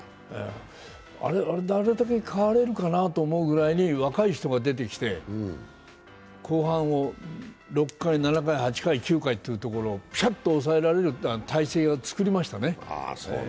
あれだけ変われるかなと思うくらい若い人が出てきて後半の６回、７回、８回、９回をピシャっと抑えられる体制を作りましたね。